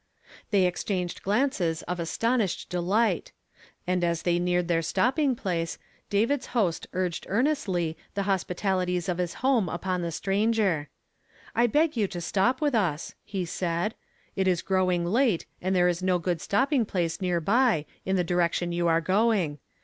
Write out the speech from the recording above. They exchanged glances of astonished delight; and as they neared their stopping place, David's host urged earnestly the hospitalities of his home upon the stranger. " I beg you will stop with us," he said; "it is growing late, and there is no good stopping place near by, in the direction you are going.